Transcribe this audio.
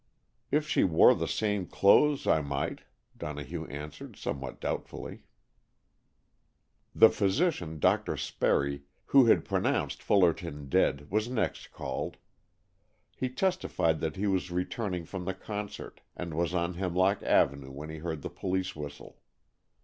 "If she wore the same clothes, I might," Donohue answered somewhat doubtfully. The physician, Dr. Sperry, who had pronounced Fullerton dead, was next called. He testified that he was returning from the concert, and was on Hemlock Avenue when he heard the police whistle.